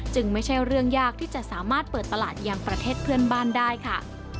ไม่ใช่เรื่องยากที่จะสามารถเปิดตลาดยังประเทศเพื่อนบ้านได้ค่ะ